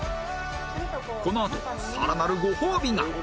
このあとさらなるご褒美が！